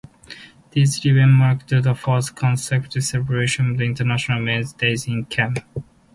These events marked the fourth consecutive celebration of International Men's Day in Cayman.